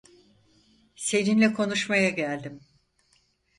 Seninle konuşmaya geldim.